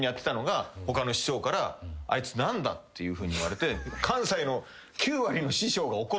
他の師匠から「あいつ何だ？」っていうふうに言われて。